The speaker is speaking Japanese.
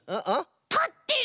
たってる！